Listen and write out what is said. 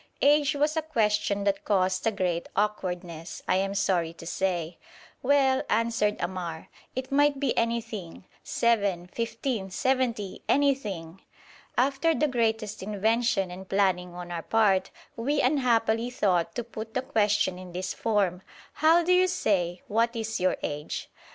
'Age' was a question that caused a great awkwardness, I am sorry to say. 'Well,' answered Ammar, 'it might be anything seven, fifteen, seventy anything!' After the greatest invention and planning on our part, we unhappily thought to put the question in this form: 'How do you say "What is your age?"'